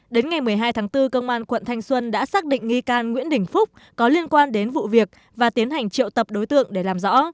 đến ngày một mươi hai tháng bốn công an quận thanh xuân đã xác định nghi can nguyễn đình phúc có liên quan đến vụ việc và tiến hành triệu tập đối tượng để làm rõ